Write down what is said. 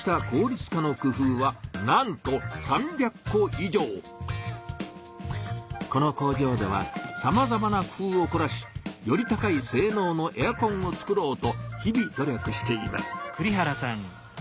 こうしたこの工場ではさまざまな工夫をこらしより高いせいのうのエアコンをつくろうとひび努力しています。